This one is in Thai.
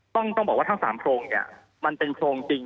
ต้องบอกว่าทั้ง๓โพรงเนี่ยมันเป็นโพรงจริง